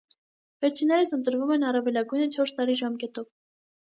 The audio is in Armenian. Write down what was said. Վերջիններս ընտրվում են առավելագույնը չորս տարի ժամկետով։